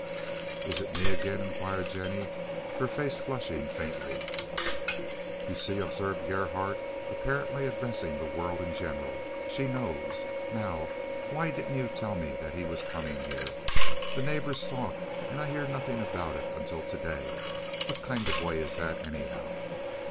"Is it me again?" inquired Jennie, her face flushing faintly. "You see," observed Gerhardt, apparently addressing the world in general, "she knows. Now, why didn't you tell me that he was coming here? The neighbors talk, and I hear nothing about it until to day. What kind of a way is that, anyhow?"